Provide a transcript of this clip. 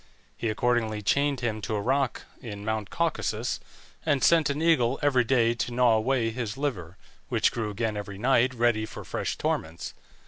He accordingly chained him to a rock in Mount Caucasus, and sent an eagle every day to gnaw away his liver, which grew again every night ready for fresh torments.